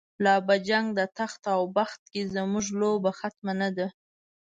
لا په جنگ د تخت او بخت کی، زمونږ لوبه ختمه نده